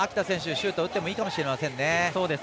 シュート打ってもいいかもしれませんね。